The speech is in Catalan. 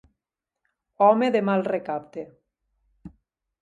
Home de mal recapte.